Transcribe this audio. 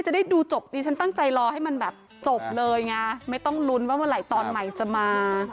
จะได้ดูจบดิฉันตั้งใจรอให้มันแบบจบเลยไงไม่ต้องลุ้นว่าเมื่อไหร่ตอนใหม่จะมา